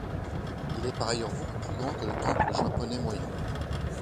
Il est par ailleurs beaucoup plus grand que le temple japonais moyen.